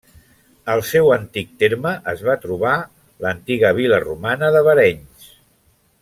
Al seu antic terme es va trobar l'antiga vil·la romana de Barenys.